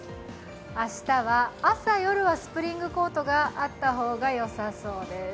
明日は朝、夜はスプリングコートがあった方がよさそうです。